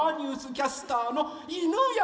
キャスターの犬山